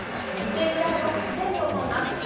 犠牲フライの１点に抑えます。